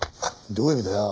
どういう意味だよ？